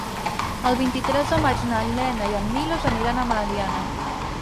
El vint-i-tres de maig na Lena i en Milos aniran a Meliana.